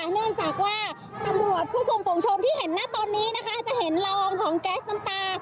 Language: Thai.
เนื่องจากว่าตำรวจผู้คุมฝุงชนที่เห็นนะตอนนี้นะคะจะเห็นละอองของแก๊สน้ำตา